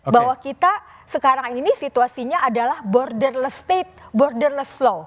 bahwa kita sekarang ini situasinya adalah borderles state borderless slow